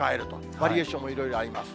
バリエーションもいろいろあります。